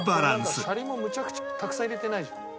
「シャリもむちゃくちゃたくさん入れてないじゃん」